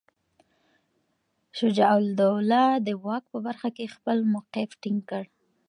شجاع الدوله د واک په برخه کې خپل موقف ټینګ کړ.